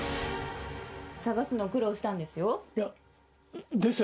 探すの、苦労したんですよ。